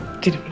jadi berapa ini